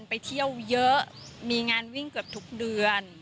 ไปเที่ยวเยอะมีงานวิ่งเกือบทุกเดือน